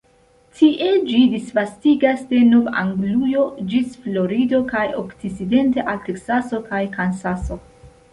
Tie ĝi disvastigas de Nov-Anglujo ĝis Florido kaj okcidente al Teksaso kaj Kansaso.